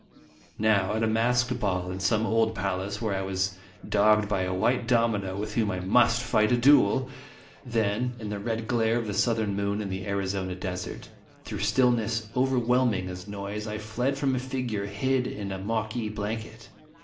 Now, at a masked ball in some old palace, where I was dogged by a white domino with whom 1 must fight a duel ; then, in the red glare of the southern moon in the Arizona desert, through stillness overwhelming as noise, I fled from a figure hid in a Moqui blanket.